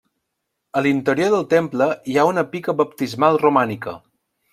A l'interior del temple hi ha una pica baptismal romànica.